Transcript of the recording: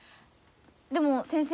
でも先生。